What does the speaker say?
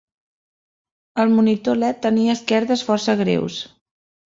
El monitor LED tenia esquerdes força greus.